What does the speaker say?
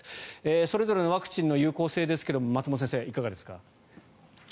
それぞれのワクチンの有効性ですが松本先生、いかがですか。